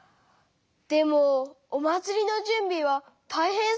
でもお祭りのじゅんびはたいへんそうだったね。